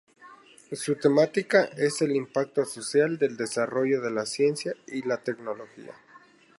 Su temática es el impacto social del desarrollo de la ciencia y la tecnología.